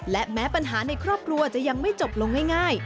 และแม้ปัญหาในครอบครัวจะยังไม่จบลงง่าย